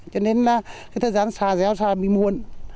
cho nên là cái thời gian xả dẻo xả bị muộn